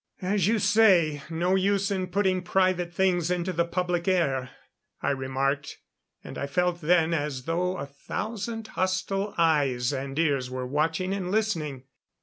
"As you say, no use in putting private things into the public air," I remarked; and I felt then as though a thousand hostile eyes and ears were watching and listening.